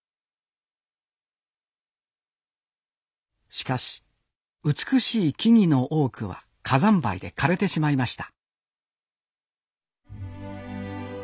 しかし美しい木々の多くは火山灰で枯れてしまいました